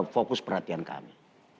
fokus perhatian kami